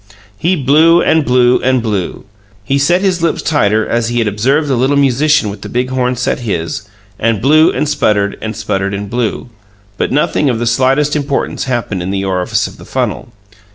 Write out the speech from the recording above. He blew and blew and blew; he set his lips tight together, as he had observed the little musician with the big horn set his, and blew and sputtered, and sputtered and blew, but nothing of the slightest importance happened in the orifice of the funnel.